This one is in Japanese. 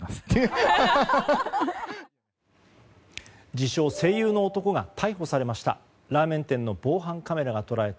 自称声優の男が逮捕されました。